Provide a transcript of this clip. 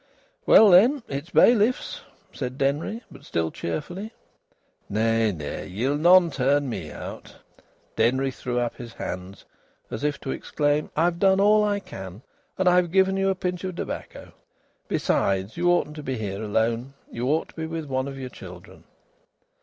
"Well, then, it's bailiffs," said Denry, but still cheerfully. "Nay, nay! Ye'll none turn me out." Denry threw up his hands, as if to exclaim: "I've done all I can, and I've given you a pinch of tobacco. Besides, you oughtn't to be here alone. You ought to be with one of your children."